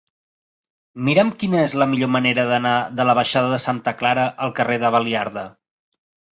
Mira'm quina és la millor manera d'anar de la baixada de Santa Clara al carrer de Baliarda.